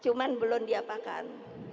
cuman belum diapakan